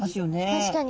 確かに。